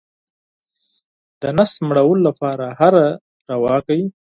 د نس مړولو لپاره هره روا کوي.